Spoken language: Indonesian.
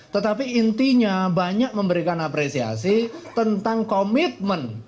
tetapi intinya banyak memberikan apresiasi tentang komitmen